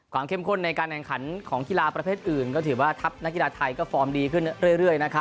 เข้มข้นในการแข่งขันของกีฬาประเภทอื่นก็ถือว่าทัพนักกีฬาไทยก็ฟอร์มดีขึ้นเรื่อย